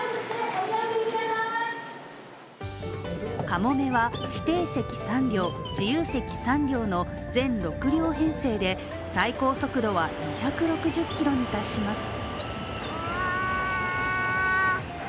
「かもめ」は指定席３両、自由席３両の全６両編成で最高速度は２６０キロに達します。